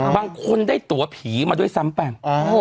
บางคนได้ตัวผีมาด้วยซ้ำไป